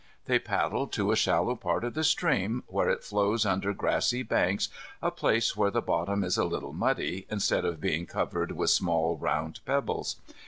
They paddle to a shallow part of the stream, where it flows under grassy banks, a place where the bottom is a little muddy, instead of being covered with small round pebbles.